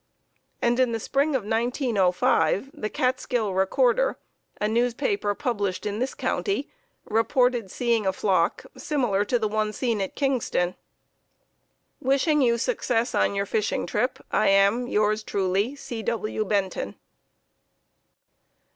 And in the spring of 1905, the Catskill Recorder, a newspaper published in this county, reported seeing a flock similar to the one seen at Kingston. Wishing you success on your fishing trip, I am, Yours truly, C. W. Benton.